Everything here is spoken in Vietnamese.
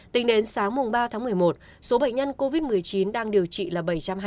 tỉnh đến sáng ba một mươi một số bệnh nhân covid một mươi chín đang điều trị là bảy trăm hai mươi chín